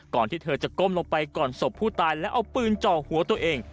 ที่เธอจะก้มลงไปก่อนศพผู้ตายและเอาปืนจ่อหัวตัวเอง